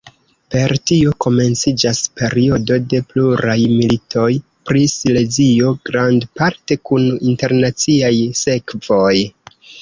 Per tio komenciĝas periodo de pluraj militoj pri Silezio, grandparte kun internaciaj sekvoj.